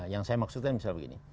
yang saya maksudkan misalnya begini